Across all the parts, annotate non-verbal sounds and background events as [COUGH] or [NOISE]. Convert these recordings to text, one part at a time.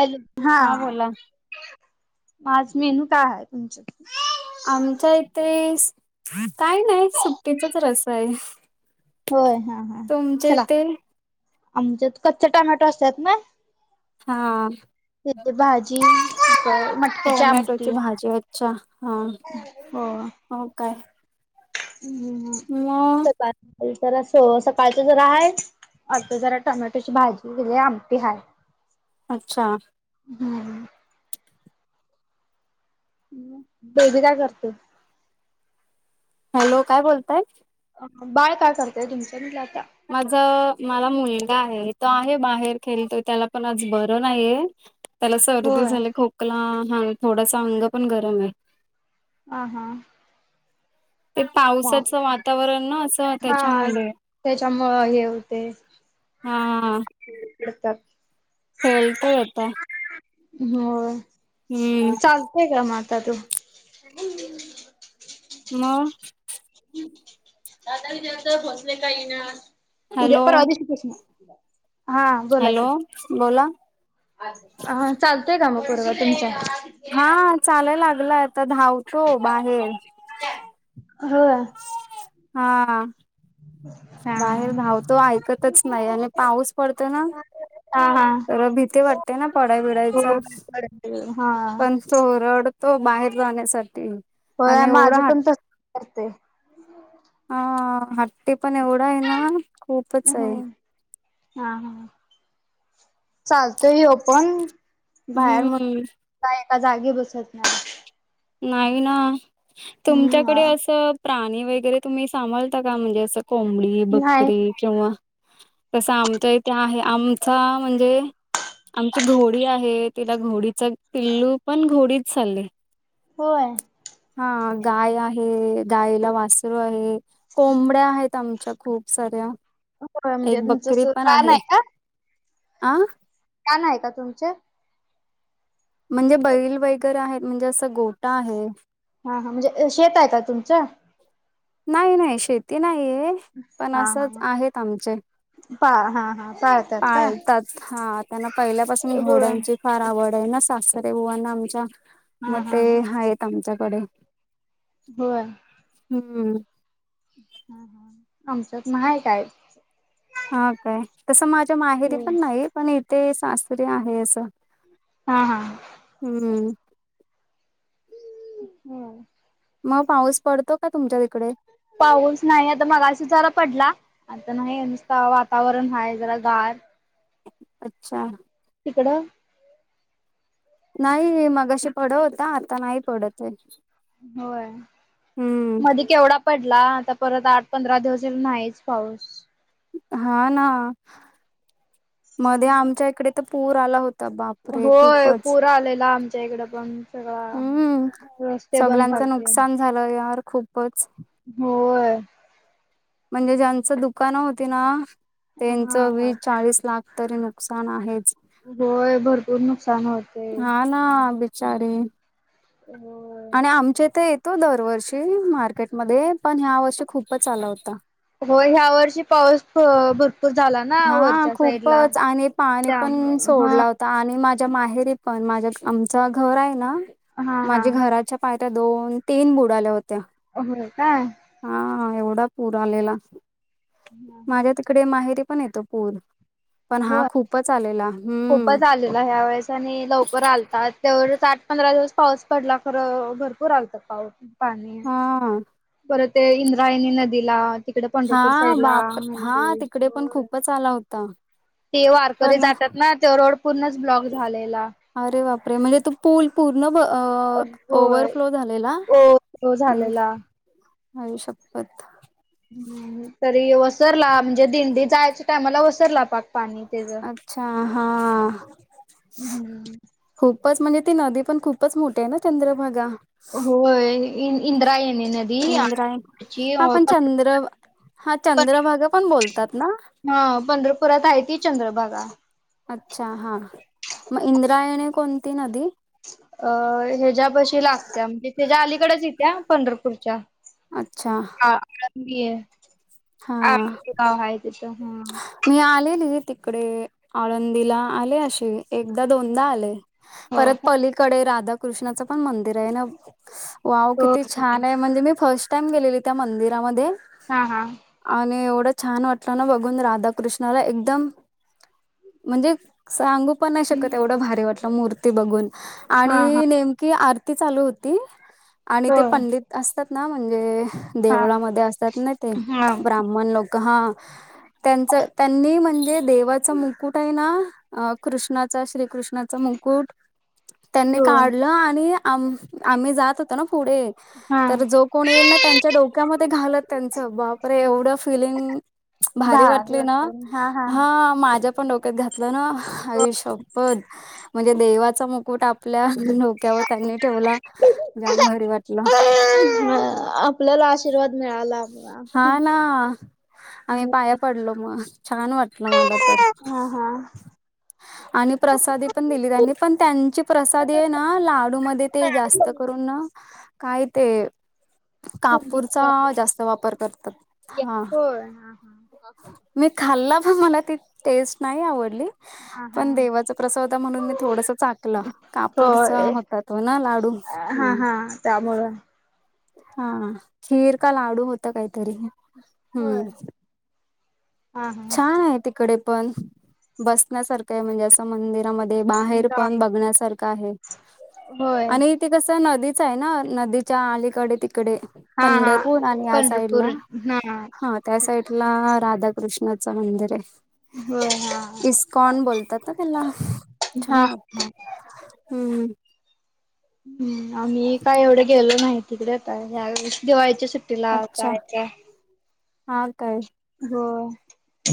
Hello हा माज menu काय आहे तुमच्याक आमच्या इथे काय नाही सुट्टीचाच रस आहे होय हा हा तुमच्या इथे म्हणजे कच्चे टॉमॅटो असतात ना हा त्याथ भाजी मटकीच्या आमटी टोमॅटोची भाजी अच्छा हा ह हो हो काय हम् हम म सकाळ जरास सकाळच जरा हाय आता जरा टोमॅटोची भाजी केल्या आमटी हाय अच्छा हम्म बबी काय करते हॅलो काय बोलताय बाळ काय करतंय तुमचं म्हंटलं आता माझं मला मुलगा आहे तो आहे बाहेर खेलतोय त्याला पण आज बरं नाही त्याला सर्दी होय झाले खोकला ह थोडासा अंग पण गरम आहे हा हा ते वा पावसाचं वातावरण ना असं हा त्याच्यामुळे त्याच्यामुळं हा करतात खेळतोय आता होय. हम्म. चालतोय का मग आता तो? मग दादा विचारतात, पोचले का? [UNINTELLIGIBLE] उद्या हॅलो परवा दिवशी पोचणार. हॅलो बोला हा चालतय का म पोरगा तुमचा? हा चालाय लागलाय आता धावतो बाहेर होय हा. हा बाहेर धावतो ऐकतच नाही आणि पाऊस पडतोय ना हा हा जरा भीती वाटते ना पडाय हो बिडायचा हा पण तो रडतो बाहेर जाण्यासाठी होय आणि एवढा माझं हट पण तसंच करतंय हा हट्टी पण एवढा आहे ना खूपच हो आहे. हा चालतोय व्ह्यो पण बाहेर म्ह हम्म का एका जागी बसत नाही नाही ना तुमच्याकडे हम्म असं प्राणी वगैरे तुम्ही सांभाळता का म्हणजे असं कोंबडी, नाही बकरी किंवा तस आमच्या इथे आहे आमचा म्हणजे आमची घोडी आहे तिला घोडीचा पिल्लू पण घोडीच चालले होय. हा गाय आहे गायला वासरू आहे. कोंबड्या आहेत आमच्या खूप साऱ्या, होय म्हणजे एक बकरी तुमचं पण कान आहे. का आं [UNINTELLIGIBLE] आहे का तुमचे? म्हणजे बैल वगैरे आहेत म्हणजे असं गोठा आहे हा हा म्हणजे शेत आहे का तुमचं? नाही नाही शेती नाहीये पण हा असंच आहेत आमचे हा हा हा पाळ पाळतात हा त्यांना पहिल्यापासून होय. घोड्यांचे फार आवड आहे ना सासरे बुवांना आमच्या मग हा हा ते हा आहेत आमच्याकडे होय. हम्म. हा हा आमच्यात न्हाय काय हा काय तसं माझ्या माहेरी होय. पण नाही पण इथे सासरी आहे असं हा हा हम्म. हम्म. मग पाऊस पडतो का तुमच्या तिकडे? पाऊस नाही आता मगाशी जरा पडला आता नाही नुसतं वातावरण हाय जरा गार अच्छा. तिकडं नाही मग अशी पडत होता आता नाही पडत आहे. होय हम्म मधे केवढा पडला. आता परत आठ पंधरा दिवस नाहीच पाऊस हा ना मध्ये आमच्या इकडे तर पूर आला होता बाप होय पूर आलेला आमच्या इकडं पण सगळा. हम्म रस्ते बंद सगळ्यांचं झालते नुकसान झालं यार खूपच. होय. म्हणजे ज्यांचं दुकानं होती ना त्यांच हा वीस, चाळीस लाख. तरी नुकसान आहेच. होय भरपूर नुकसान होत. हा ना बिचारे. होय. आणि आमच्या इथ येतो दरवर्षी मार्केटमध्ये पण ह्या वर्षी खूपच आला होता. हो ह्या वर्षी पाऊस भ भरपूर झाला ना हा वरच्या साईडला खूपच आणि पानी पण त्यामुळे हा सोडला होता. आणि माझ्या माहेरी पण माझ्या आमच घर आहे ना हा हा माझ्या घराच्या पायऱ्या दोन, तीन बुडाल्या होत्या. हो कायं. हा एवढा पूर आलेला माझ्या तिकडे माहेरी पण येतो पूर. पण हा खूपच आलेला हम्म. आलेले ह्या वेळेस. आणि लवकर आलता तेवढच आठ पंधरा दिवस पाऊस पडला खरं भरपूर आलता पाऊस. पाणी. हां. परत ते इंद्रायणी नदीला तिकडे पंढरपूर हा साईड ला नदी चाला हो ते वारकरी जातात ना तो रोड पूर्णच ब्लॉक झालेला. अरे बापरे म्हणजे तू पूल पूर्ण ओवर होय फ्लो झालेला ओ झालेला म्हणजे आईशप्पत. ह् तरी वसरला म्हणजे दिंडी जायच्या टायमाला वसरला पाक. पाणी तेज. अच्छा हा. हम्म. खूपच म्हणजे ती नदी पण खूपच मोठी आहे ना चंद्रभागा. होय इंद्रा इंद्रायणी नदी. इंद्रायणी ची हा पण चंद्र हा चंद्रभागा पण बोलतात ना. हा पंढरपुरात आहे ती चंद्रभागा. अच्छा हा मग इंद्रायण कोणती नदी. अ हिज्या पशी लागत्या म्हणजे तिच्या अलीकडच येत्या पंढरपूरच्या अच्छा आळंदी हे हा आमच गाव आहे तिथ मी आलेली तिकडे आळंदीला आले अशी एकदा दोनदा आले हो परत पलीकडे राधाकृष्णाचं पण मंदिर आहे ना वाव हो किती छान आहे म्हणजे मी फर्स्ट टाइम गेलेली त्या मंदिरामध्ये हा हा आणि एवढं छान वाटत ना बघून राधाकृष्णाला एकदम म्हणजे सांगू पण नाही शकत एवढं भारी वाटलं मूर्ती बघून हा हा आणि नेमकी आरती चालू हो ती आणि ते होय. पंडित असतात ना म्हणजे हा देवळामध्ये असतात ना ते हा ब्राम्मण लोक हा त्यांच त्यांनी म्हणजे देवाच मुकुट आहे ना अ कृष्णाचा श्रीकृष्णाचा मुकुट त्यांनी हो काढलं आणि आम्ह आम्ही जात होतो ना पुढे हा तर जो कोणी येईल ना त्यांच्या डोक्यामध्ये घालत त्यांचं बाप एवढं फिलिंग भारी वाटली ना हा माझ्या ण डोक्यात घातलं ना आईशप्पथ म्हणजे देवाच मुकुट आपल्या डोक्यावर त्यांनी ठेवला जाम भारी वाटलं आपल्याला आशीर्वाद मिळाला हा ना आम्ही पाया पडलो मग छान वाटलं मला तर हा हा. आणि प्रसादी पण दिली त्यांनी पण त्यांची प्रसादी आहे ना लाडूमध्ये ते जास्त करून काय ते कापूरचा होय जास्त वापर वार करत हा हा हा. मी खाल्ला पण मला ती टेस्ट नाही आवडली हा हा पण देवाच प्रसावदा म्हणून मी थोडस चाकलं कापूरचा होय होत त ना लाडू ह् त्यामुं हा खीर का लाडू होत काहीतरी होय. हम्म हा हा. छान आहे तिकडे पण बसण्यासारखं आहे म्हणजे असं मंदिरामध्ये बाहेर पण बघण्यासारख आहे होय. आणि त कसं नदीच आहे ना नदीच्या अलीकडे तिकडे हा हा पंढरपूर आणि या साईड पंढरपूर ला हा हा त्या साईड ला राधाकृष्णाचं मंदिर होय हा. आहे इस्कॉन बोलतात ना त्याला हा. हा. छान वाटत हम्म ह आम्ही काय एवढे गेलो नाही तिकडे आता दिवाळीच्या सुट्टी अच्छा लावताय काय हा काय हो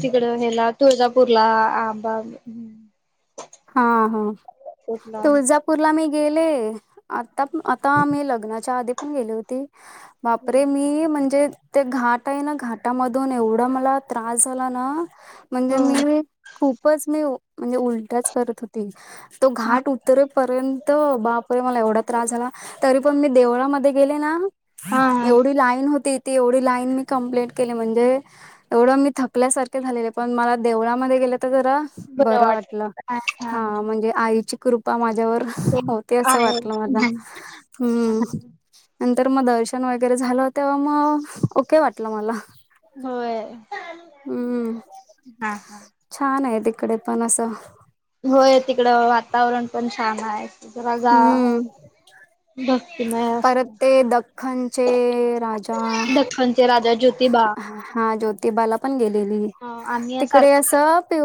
तिकड हे्याला तुळजापूरला आंबा हा हा कुठला त उुळजापूरला मी गेले आता आता मी लग्नाच्या आधी पण गेली होती हो बापरे मी म्हणजे ते घाट आहे ना घाटामधून एवढा मला त्रास झाला ना म्हणजे मी खूपच मी म्हणजे उलटाच करत होती तो हा घाट उतरेपर्यंत त बापरे मला एवढा त्रास झाला तरी पण मी देवळामध्ये गेले ना हा हा एवढी लाईन होती ती एवढी लाईन मी कंप्लीट केली म्हणजे एवढं मी थपल्यासारखे झालेले पण मला देवळामध्ये गेले तर जरा बरं वाटलं हा म्हणजे आईची कृपा माझ्यावर होते असं आहे वाटलं मझ हम्म नंतर मग दर्शन वगैरे झालं तेव्हा मग ओके वाटलं मला होय हम्म हा हा छान आहे तिकडे पण असं होय तिकडं वातावरण पण छान आहे ज गा हम्म भक्तमय परत असत ते दख्खनचे राजा दख्खनचे राजा जोतिबा हा ज्योतिबाला पण गेलेली ह आम्ही तिकडे अस सारखं पि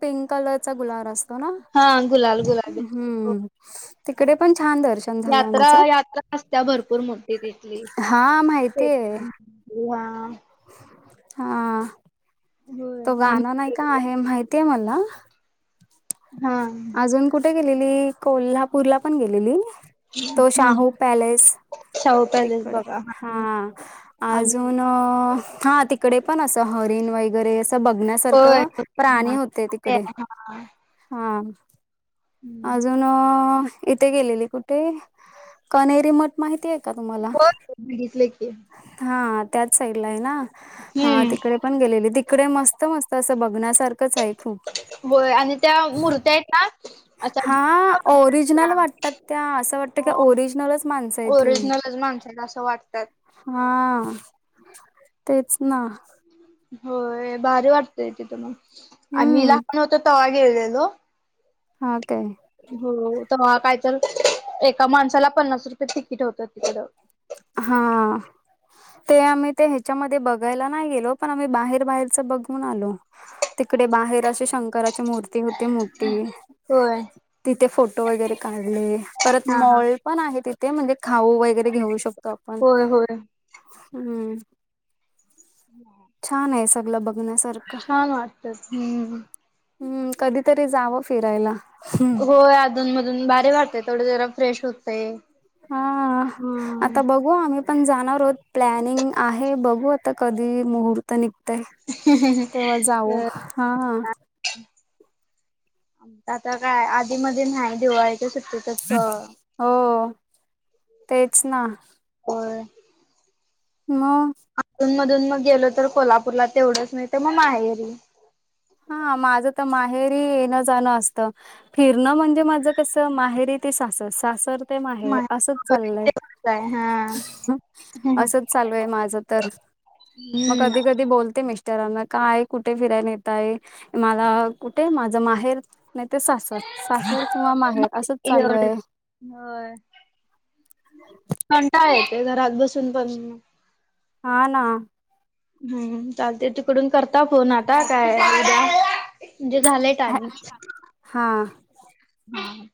पिंक कलरचा गुलार असतो ना हा गुलाल गुलाबी हम्म तिकडे पण छान दर्श यात्रा यात्रा असत्या भरपूर मोठी तिथली हा माहितीय हो हा हा होय तो गाणं नाही आम्ही का आहे माहितीय मला हा अजून कुठे गेलेली कोल्हापूरला पण गेलेली तो हा शाहू पॅलेस शाहू पॅलेस तिकडे बघा हा आम्ही अजून अ हा ते तिकडे पण असं हरीण वगैरे असं होय बघण्यासारखं प्राणी हा होते ते तिकडे हा हा अजून इथे गेलेली कुठे कणेरी मठ माहिती आहे का तुम्हाला बघितलेय की. हा त्याच साईडला आहे ना हा हम्म तिकडे पण गेलेली तिकडे मस्त मस्त असं बघण्यासारखंच आहे. खूप होय आणि त्या मुरत्या आहेत ना. हा अशा ओरिजनल वाटतात त्या असं वाटतं की ओरिजनलच माणसं आहेत ही. पण असं वाटतायत. हा तेच ना. होय भारी वाटतेय तिथ मग आम्ही हम्म लहान होतो तवा गेलेलो. हा काय. हो तवा काय तर एका माणसाला पन्नास रुपय तिकीट होतं तिकडं. हा. ते आम्ही ते ह्याच्यामध्ये बघायला नाही गेलो पण आम्ही बाहेर बाहेरच बघून आलो. तिकडे बाहेर अशी शंकराची मूर्ती होती मोठी. होय. तिथे फोटो वगैरे काढले परत हा हा मॉल पण आहे तिथे म्हणजे खाऊ वगैरे घेऊ शकतो आपण होय होय हा. ह [UNINTELLIGIBLE] छान आहे सगल बघण्यासारखं. वाटतात हम्म. हम्म कधीतरी जावं फिरायला. होय अधूनमधून भारी वाटते थोडं जरा फ्रेश होतय. हा हम्म. आता बघु. हो आम्ही पण जाणार आहेत प्लॅनिंग आहे बघू आता कधी मुहूर्त तर निघतय तेव्हा जाऊ हा. आमच आता काय आधीमधी नाही दिवाळीच्या सुट्टीत. तस. हो तेच ना. होय. मग. अधून मधून मग गेलो तर कोल्हापूरला तेवढंच नाहीतर मग माहेरी. हा माझं तर माहेरी येणं जाणं असतं फिरणं म्हणजे माझं कस माहेरी ते सासर सासर ते माहेर असंच माहेरी चाललंय. तेवढंच आहे हा. असंच चालू आहे माझं तर. मग हम्म कधी कधी बोलते म मिश मिस्टरांना काय कुठे फिराय नेताय मला कुठे माझ माहेर नाही ते सासर सासर किंवा माहेर असंच चालू एवढंच आहे. होय कंटाळा येतोय घरात बसून पण मग हा ना. हम् चालते तिकडून करता फोन आता काय उद्या म्हणजे झालेय टायमिंग हा हम्म.